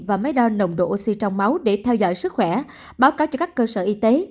và máy đo nồng độ oxy trong máu để theo dõi sức khỏe báo cáo cho các cơ sở y tế